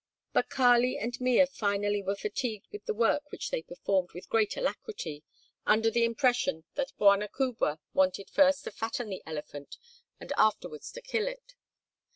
But Kali and Mea finally were fatigued with the work which they performed with great alacrity under the impression that Bwana kubwa wanted first to fatten the elephant and afterwards to kill him.